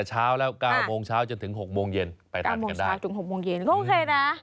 เช้าแล้ว๙โมงเช้าจนถึง๖โมงเย็นไปทานกันได้ถึง๖โมงเย็นก็โอเคนะ